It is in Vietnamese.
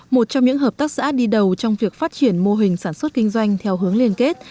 một trong những hợp tác xã đi đầu trong việc phát triển mô hình sản xuất kinh doanh theo hướng liên kết